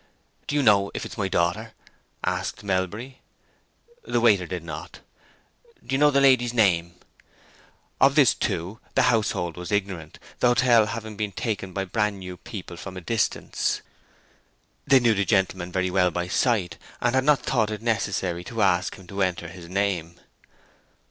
"Do you know if it is my daughter?" asked Melbury. The waiter did not. "Do you know the lady's name?" Of this, too, the household was ignorant, the hotel having been taken by brand new people from a distance. They knew the gentleman very well by sight, and had not thought it necessary to ask him to enter his name.